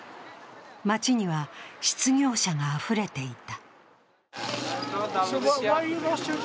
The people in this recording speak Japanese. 街には失業者があふれていた。